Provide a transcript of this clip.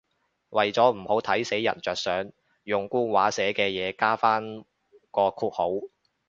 為咗唔好睇死人着想，用官話寫嘅嘢加返個括號